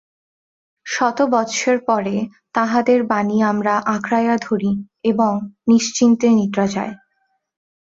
শত বৎসর পরে তাঁহাদের বাণী আমরা আঁকড়াইয়া ধরি এবং নিশ্চিন্তে নিদ্রা যাই।